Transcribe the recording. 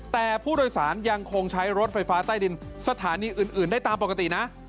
แต่ผู้โดยสารยังคงใช้รถไฟฟ้าใต้ดินสถานีอื่นได้ตามปกตินะ